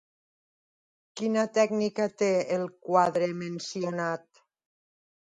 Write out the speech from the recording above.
Quina tècnica té el quadre mencionat?